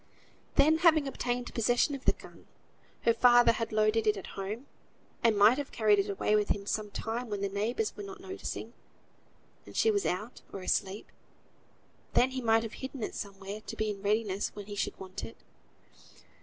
Then having obtained possession of the gun, her father had loaded it at home, and might have carried it away with him some time when the neighbours were not noticing, and she was out, or asleep; and then he might have hidden it somewhere to be in readiness when he should want it.